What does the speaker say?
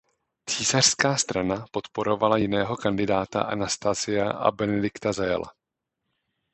Císařská strana podporovala jiného kandidáta Anastasia a Benedikta zajala.